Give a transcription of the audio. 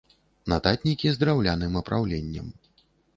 Нататнікі з драўляным апраўленнем.